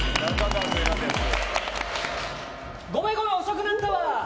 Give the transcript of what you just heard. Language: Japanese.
ごめん、ごめん遅くなったわ。